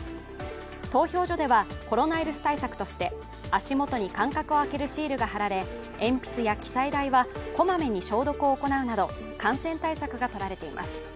投票所ではコロナウイルス対策として足元に間隔を空けるシールが貼られ鉛筆や記載台はこまめに消毒を行うなど感染対策がとられています。